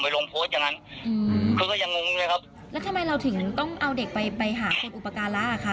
แล้วเราถึงต้องเอาเด็กไปหาคนอุปการะอ่ะคะ